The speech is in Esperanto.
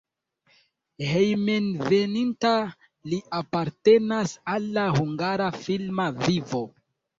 Hejmenveninta li apartenas al la hungara filma vivo.